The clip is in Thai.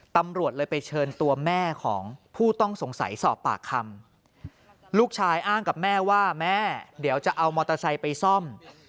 ตำรวจเลยไปเชิญตัวแม่ของผู้ต้องสงสัยสอบปากคำลูกชายอ้างกับแม่ว่าแม่เดี๋ยวจะเอามอเตอร์ไซค์ไปซ่อม